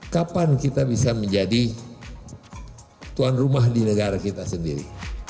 kapan kita bisa menjadi tuan rumah di negara kita sendiri